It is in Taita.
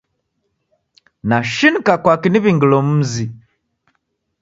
Nashinika kwaki niw'ingilo mzi.